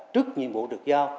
trước nhiệm vụ được giao